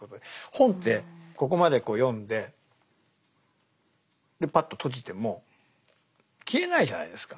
本ってここまで読んでパッと閉じても消えないじゃないですか。